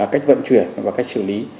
cách vận chuyển và cách xử lý